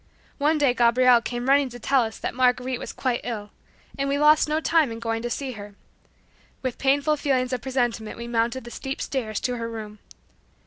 One day Gabriel came running to tell us that Marguerite was quite ill, and we lost no time in going to see her. With painful feelings of presentiment we mounted the steep stairs to her room.